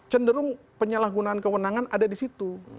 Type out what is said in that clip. cenderung penyalahgunaan kewenangan ada di situ